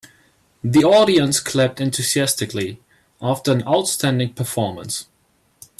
The audience clapped enthusiastically after an outstanding performance.